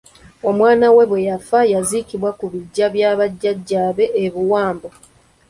Omwana we bwe yafa yaziikibwa ku biggya bya bajjajaabe e Buwambo.